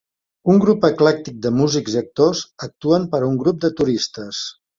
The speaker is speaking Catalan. Un grup eclèctic de músics i actors actuen per a un grup de turistes.